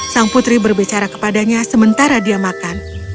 sang putri berbicara kepadanya sementara dia makan